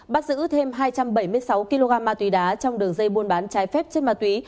bắt giữ thêm hai trăm bảy mươi sáu kg ma túy đá trong đường dây buôn bán trái phép chất ma túy